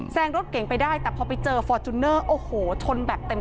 งรถเก่งไปได้แต่พอไปเจอฟอร์จูเนอร์โอ้โหชนแบบเต็ม